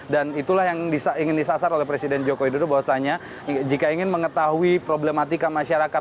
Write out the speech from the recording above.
dan itulah yang ingin disasar oleh presiden jokowi dodo bahwasannya jika ingin mengetahui problematika masyarakat